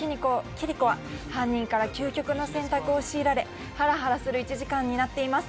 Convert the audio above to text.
キリコは犯人から究極の選択を強いられハラハラする１時間になっています